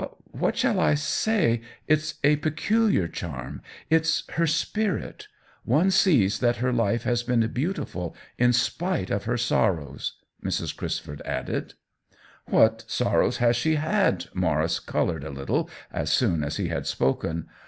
"What shall I say? It's a peculiar charm ! It's her spirit. One sees that her life has been beautiful in spite of her sor rows !" Mrs. Crisford added. " What sorrows has she had ?" Maurice colored a little as soon as he had spoken.